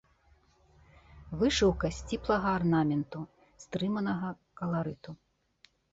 Вышыўка сціплага арнаменту, стрыманага каларыту.